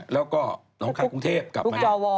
แล้วก็หนองคายกรุงเทพฯกรับไป